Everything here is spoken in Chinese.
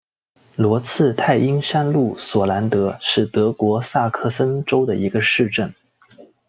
罗茨泰因山麓索兰德是德国萨克森州的一个市镇。